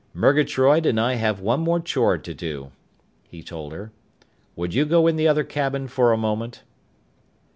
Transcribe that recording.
"Murgatroyd and I have one more chore to do," he told her. "Would you go in the other cabin for a moment?"